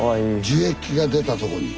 樹液が出たとこに。